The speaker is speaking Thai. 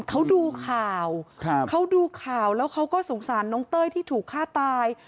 เขาดูข่าวเขาดูข่าวแล้วเขาก็สงสารน้องเต้ยที่ถูกฆ่าตาย